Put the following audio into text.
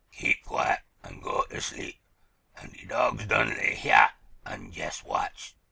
Keep quiet, an' go ter sleep, an' de dawgs done lay heah an' jest watch.